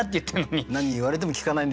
何言われても聞かないんでしょうね。